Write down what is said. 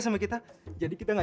eh pak bapak jangan